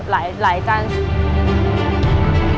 แบบหลายจันทรีย์